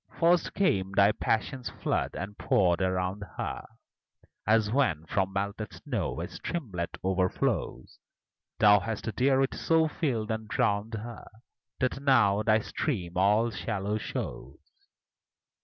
First came thy passion's flood and poured around her As when from melted snow a streamlet overflows; Thou hast therewith so filled and drowned her, That now thy stream all shallow shows.